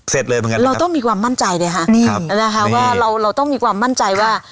เสร็จเลยเหมือนกันเราต้องมีความมั่นใจเลยค่ะนะคะว่าเราเราต้องมีความมั่นใจว่า